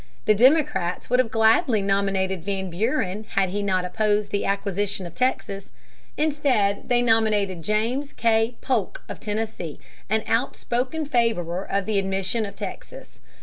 The Democrats would have gladly nominated Van Buren had he not opposed the acquisition of Texas. Instead they nominated James K. Polk of Tennessee, an outspoken favorer of the admission of Texas.